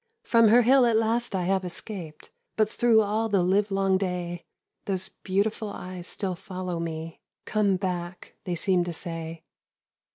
"From her hill at last I have escaped, But through all the livelong day, Those beautiful eyes still follow me. 'Come back!' they seem to say.